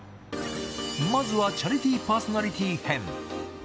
まずはチャリティーパーソナリティー編。